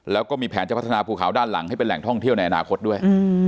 แล้วก็มีแผนจะพัฒนาภูเขาด้านหลังให้เป็นแหล่งท่องเที่ยวในอนาคตด้วย